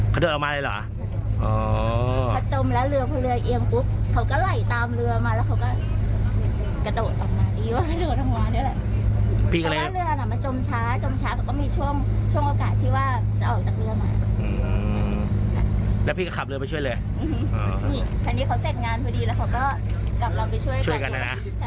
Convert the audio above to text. ก็ดีแล้วก็กำลังไปช่วยกันนะ